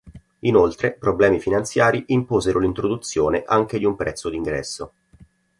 Inoltre problemi finanziari imposero l'introduzione anche di un prezzo d'ingresso.